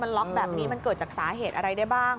ล็อกแบบนี้มันเกิดจากสาเหตุอะไรได้บ้าง